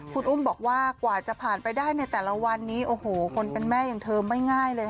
คุณอุ้มบอกว่ากว่าจะผ่านไปได้ในแต่ละวันนี้โอ้โหคนเป็นแม่อย่างเธอไม่ง่ายเลยค่ะ